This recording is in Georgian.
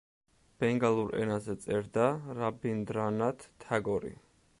ბენგალურ ენაზე წერდა რაბინდრანათ თაგორი.